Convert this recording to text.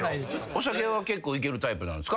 お酒は結構いけるタイプなんですか？